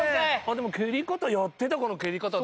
でも蹴り方やってた子の蹴り方だよね。